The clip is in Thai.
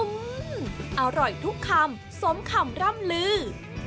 อื้มมมมมอร่อยทุกคำสมคำร่ำลือ